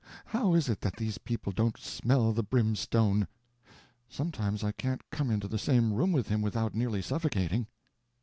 How is it that these people don't smell the brimstone? Sometimes I can't come into the same room with him without nearly suffocating."